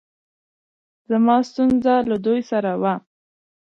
زما ستونره له دوی سره وه